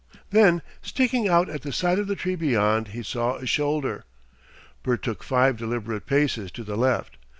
Then, sticking out at the side of the tree beyond, he saw a shoulder. Bert took five deliberate paces to the left.